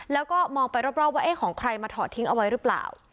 แล้วก็มองไปรอบว่าเอ๊ะของใครมาถอดทิ้งเอาไว้หรือเปล่า